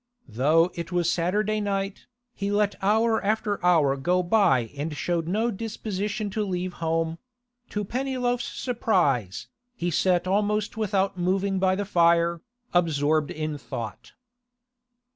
Though it was Saturday night, he let hour after hour go by and showed no disposition to leave home; to Pennyloaf's surprise, he sat almost without moving by the fire, absorbed in thought.